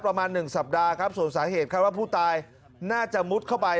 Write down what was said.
ประมาณหนึ่งสัปดาห์ครับส่วนสาเหตุคาดว่าผู้ตายน่าจะมุดเข้าไป